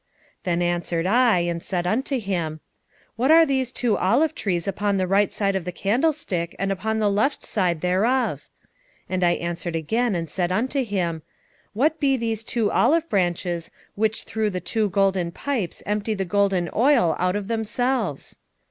4:11 Then answered I, and said unto him, What are these two olive trees upon the right side of the candlestick and upon the left side thereof? 4:12 And I answered again, and said unto him, What be these two olive branches which through the two golden pipes empty the golden oil out of themselves?